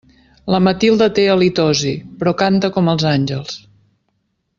La Matilde té halitosi, però canta com els àngels.